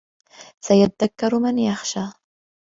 سَيَذَّكَّرُ مَن يَخشى